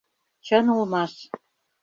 Чын улмаш.